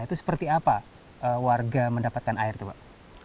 itu seperti apa warga mendapatkan air itu pak